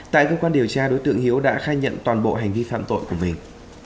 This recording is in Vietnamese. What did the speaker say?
tại cơ quan điều tra đối tượng hiếu đã khai nhận toàn bộ hành vi phạm tội của mình